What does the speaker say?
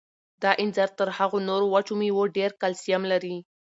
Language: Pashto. دا انځر تر هغو نورو وچو مېوو ډېر کلسیم لري.